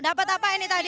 dapet apa ini tadi